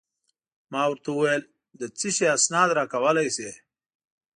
ما ورته وویل: د څه شي اسناد راکولای شې؟